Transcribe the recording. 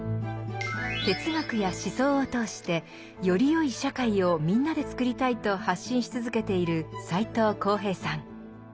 哲学や思想を通してよりよい社会をみんなでつくりたいと発信し続けている斎藤幸平さん。